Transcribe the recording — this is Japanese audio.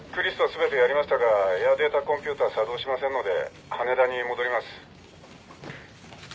全てやりましたがエアデータコンピューター作動しませんので羽田に戻ります。